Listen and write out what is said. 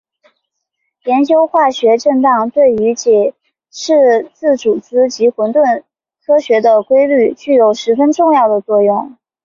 研究化学振荡对于解释自组织及混沌科学的规律具有十分重要的作用。